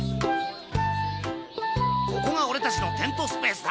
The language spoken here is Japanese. ここがオレたちのテントスペースだ！